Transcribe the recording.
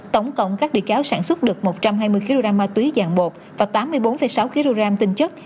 tổng cộng các bị cáo sản xuất được một trăm hai mươi kg ma túy dạng bột và tám mươi bốn sáu kg tinh chất